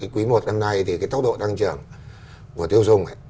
quý i năm nay thì cái tốc độ tăng trưởng của tiêu dùng